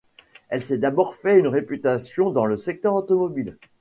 Elle s'est d'abord fait une réputation dans le secteur automobile.